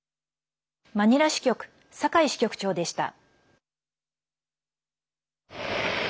マニラ支局、酒井支局長でした。